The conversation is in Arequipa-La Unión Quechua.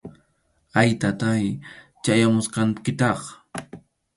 Ay, Taytáy, chayamusqankitaq